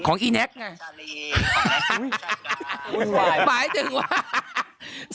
ของอีแน็กซ์ไง